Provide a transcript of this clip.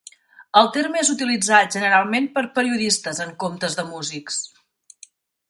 El terme és utilitzat generalment per periodistes en comptes de músics.